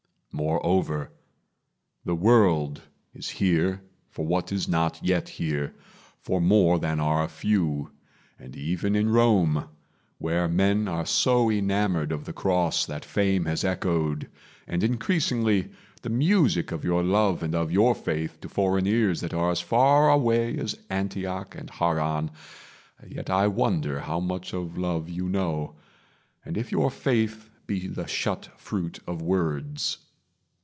Moreover, The world is here for what is not yet here For more than are a few; and even in Rome, Where men are so enamored of the Cross That fame has echoed, and increasingly, The music of your love and of your faith To foreign ears that are as far away As Antioch and Haran, yet I wonder How much of love you know, and if your faith Be the shut fruit of words.